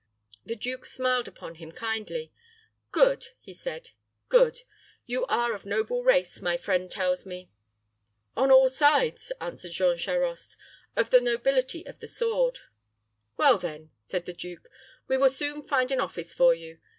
The duke smiled upon him kindly. "Good," he said; "good. You are of noble race, my friend tells me." "On all sides," answered Jean Charost. "Of the nobility of the sword." "Well, then," said the duke, "we will soon find an office for you.